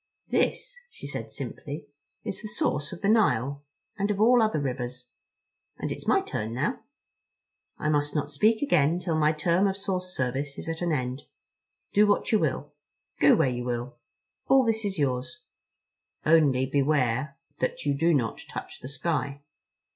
"This," she said simply, "is the source of the Nile. And of all other rivers. And it's my turn now. I must not speak again till my term of source service is at an end. Do what you will. Go where you will. All is yours. Only beware that you do not touch the sky.